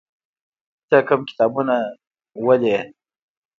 ته کوم کتابونه ولې؟